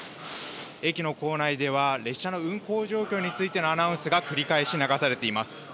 駅の構内では列車の運行状況についてのアナウンスが繰り返し流されています。